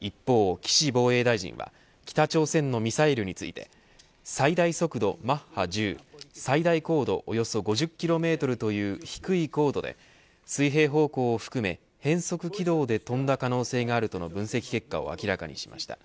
一方、岸防衛大臣は北朝鮮のミサイルについて最大速度マッハ１０最大高度およそ５０キロメートルという低い高度で水平方向を含め変則軌道で飛んだ可能性があるとの分析結果を明らかにしました。